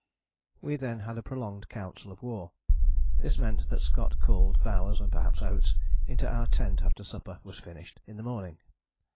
We then had a prolonged council of war. This meant that Scott called Bowers, and perhaps Oates, into our tent after supper was finished in the morning.